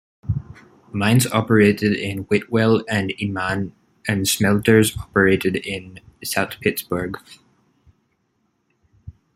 Mines operated in Whitwell and Inman, and smelters operated in South Pittsburg.